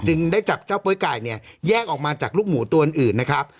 ได้จับเจ้าโป๊ยไก่เนี่ยแยกออกมาจากลูกหมูตัวอื่นนะครับ